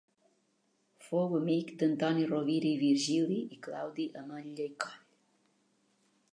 Fou amic d'Antoni Rovira i Virgili i Claudi Ametlla i Coll.